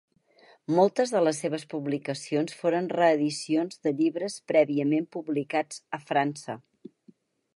Moltes de les seves publicacions foren reedicions de llibres prèviament publicats a França.